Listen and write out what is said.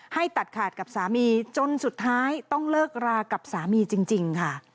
ให้ตัดขาดกับสามีจนสุดท้ายต้องเลิกรากับสามีจริงค่ะ